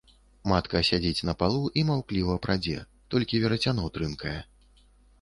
Матка сядзіць на палу і маўкліва прадзе, толькі верацяно трынкае.